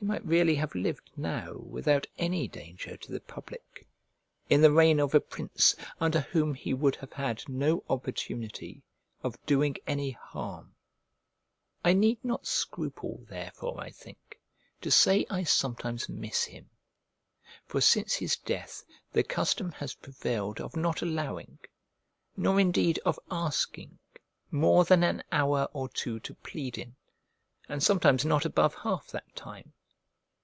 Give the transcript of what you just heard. He might really have lived now without any danger to the public, in the reign of a prince under whom he would have had no opportunity of doing any harm. I need not scruple therefore, I think, to say I sometimes miss him: for since his death the custom has prevailed of not allowing, nor indeed of asking more than an hour or two to plead in, and sometimes not above half that time.